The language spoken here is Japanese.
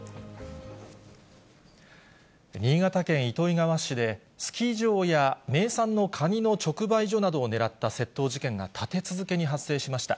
新潟県糸魚川市で、スキー場や名産のカニの直売所などを狙った窃盗事件が立て続けに発生しました。